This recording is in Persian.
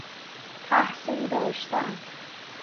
تحسین داشتن